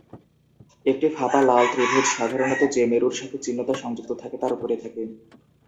একটা ফাঁপা লাল ত্রিভুজ সাধারণত যে মেরুর সাথে চিহ্নটা সংযুক্ত থাকে তার উপরে থাকে।